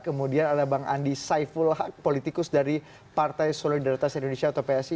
kemudian ada bang andi saiful politikus dari partai solidaritas indonesia atau psi